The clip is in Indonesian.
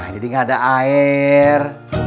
jadi gak ada air